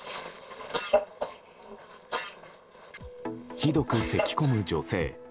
ひどくせき込む女性。